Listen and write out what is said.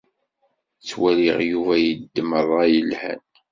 Ttwaliɣ Yuba yeddem ṛṛay yelhan.